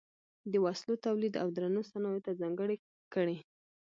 د وسلو تولید او درنو صنایعو ته ځانګړې کړې.